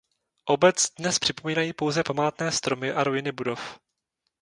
Obec dnes připomínají pouze památné stromy a ruiny budov.